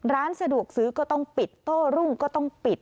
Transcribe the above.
ร้านสะดวกซื้อก็ต้องปิดโต้รุ่งก็ต้องปิด